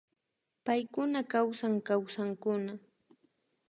Paykuna kawsan Kawsankuna